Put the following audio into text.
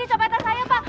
ini copetan saya pak